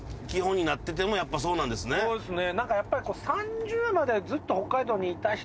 そうですね